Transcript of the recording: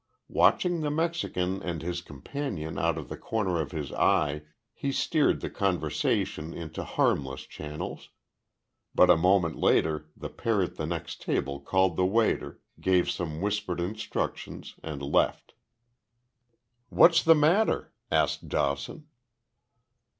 Watching the Mexican and his companion out of the corner of his eye, he steered the conversation into harmless channels, but a moment later the pair at the next table called the waiter, gave some whispered instructions, and left. "What's the matter?" asked Dawson.